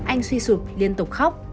anh suy sụp liên tục khóc